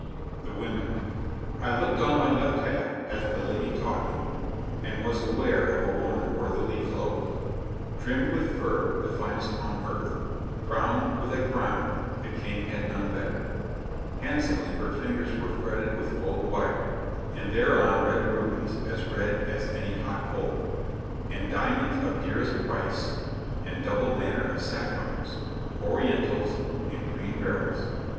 THE WOMEN 'I looked on my left half as the lady taught me, And was aware of a woman worthily clothed, Trimmed with fur, the finest on earth, Crowned with a crown, the King had none better. Handsomely her fingers were fretted with gold wire, And thereon red rubies, as red as any hot coal, And diamonds of dearest price, and double manner of sapphires, Orientals and green beryls....